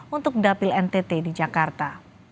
untuk dapil ntt di jakarta